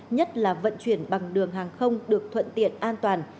nhất là vận chuyển bằng đường hàng không được thuận tiện an toàn